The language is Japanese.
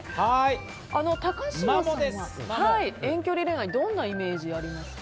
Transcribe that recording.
高嶋さんは遠距離恋愛どんなイメージがありますか？